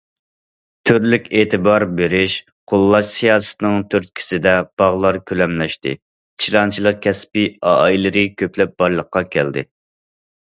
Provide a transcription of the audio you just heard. تۈرلۈك ئېتىبار بېرىش، قوللاش سىياسىتىنىڭ تۈرتكىسىدە باغلار كۆلەملەشتى، چىلانچىلىق كەسپىي ئائىلىلىرى كۆپلەپ بارلىققا كەلدى.